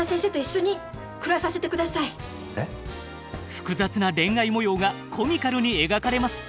複雑な恋愛模様がコミカルに描かれます。